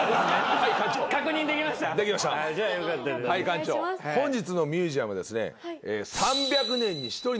館長本日のミュージアムはですね。